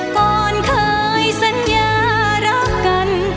ก่อนเคยสัญญารักกัน